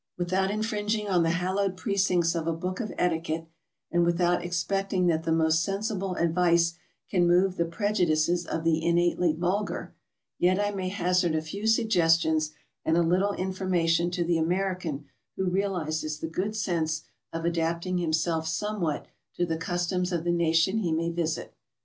Without infringing on the hallowed precincts of a book of etiquette, and without expecting that the most sensible ad vice can move the prejudices of the innately vulgar, yet I may hazard a few suggestions and a little information to the American who realizes the good sense of adapting himself soimewhat to the customs of the nation he may visit.